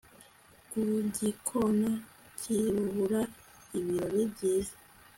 Ku gikona cyirabura ibirori byiza